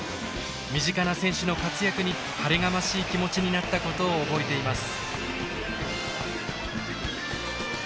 身近な選手の活躍に晴れがましい気持ちになったことを覚えています。